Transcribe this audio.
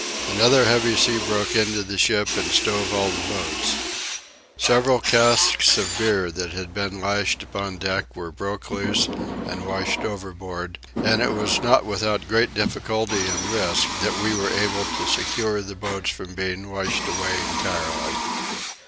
Another heavy sea broke into the ship and stove all the boats. Several casks of beer that had been lashed upon deck were broke loose and washed overboard, and it was not without great difficulty and risk that we were able to secure the boats from being washed away entirely.